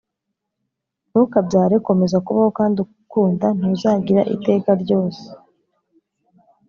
“ntukabyare. komeza kubaho kandi ukunda. ntuzagira iteka ryose.